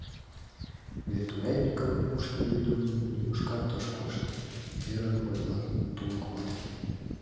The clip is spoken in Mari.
Вет урядникым пуштмо йӱдым нигушкат ыш кошт, — ӧрын ойла тулык вате.